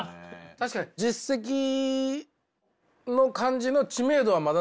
確かに実績の感じの知名度はまだないかもね。